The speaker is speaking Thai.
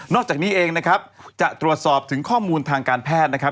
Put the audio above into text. จากนี้เองนะครับจะตรวจสอบถึงข้อมูลทางการแพทย์นะครับ